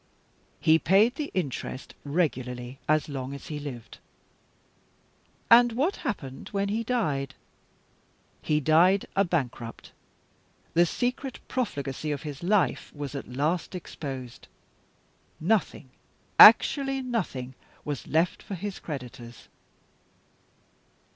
"He paid the interest regularly as long as he lived." "And what happened when he died?" "He died a bankrupt; the secret profligacy of his life was at last exposed. Nothing, actually nothing, was left for his creditors.